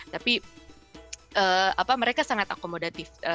tapi mereka sangat akomodatif